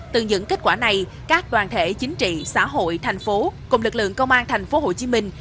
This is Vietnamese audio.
từ những kết quả này các đoàn thể chính trị xã hội thành phố cùng lực lượng công an thành phố hồ chí minh